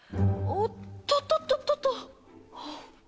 おっととととと。